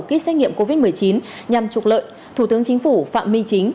ký xét nghiệm covid một mươi chín nhằm trục lợi thủ tướng chính phủ phạm minh chính